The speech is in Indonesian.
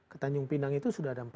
ke tanjung pinang itu sudah ada